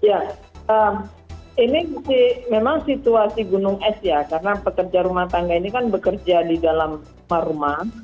ya ini memang situasi gunung es ya karena pekerja rumah tangga ini kan bekerja di dalam rumah rumah